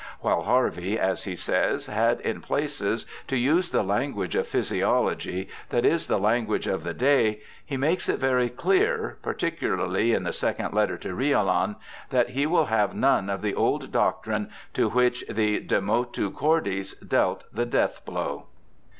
While Harvey, as he says, had in places to use the language of physiology, that is, the language of the day, he makes it very clear, particularly in the second letter to Riolan, that he will have none of the old doctrine to which the de Motu Cordis dealt the death blow.